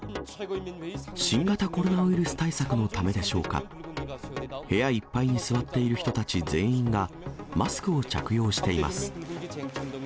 新型コロナウイルス対策のためでしょうか、部屋いっぱいに座っている人たち全員がマスクを着用しています。